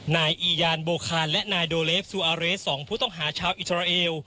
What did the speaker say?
นายอียานโบคานและนายโดเลฟซูอาเรส๒ผู้ต้องหาชาวอิสราเอล